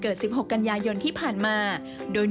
กุ๊บกิ๊บขอสงวนท่าที่ให้เวลาเป็นเครื่องท่าที่สุดไปก่อน